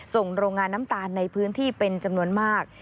ส่งโรงงานน้ำตาลในพื้นที่เป็นจำนวนมาก